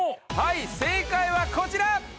正解はこちら！